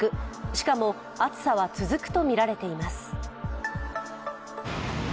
しかも暑さは続くとみられています。